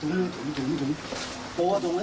โปรดติดตามตอนต่อไป